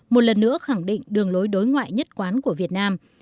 một lần nữa khẳng định đường lối đối ngoại nhất quán của việt nam